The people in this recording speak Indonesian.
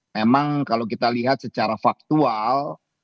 memang kalau kita lihat secara faktual